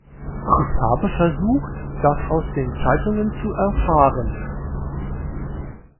Ich habe versucht, das aus den Zeitungen zu erfahren.